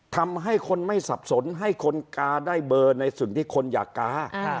ทำให้คนไม่สับสนให้คนกาได้เบอร์ในสิ่งที่คนอยากกา